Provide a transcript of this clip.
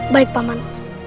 baik pak man